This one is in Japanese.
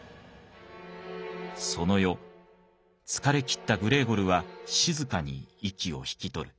その夜疲れ切ったグレーゴルは静かに息を引き取る。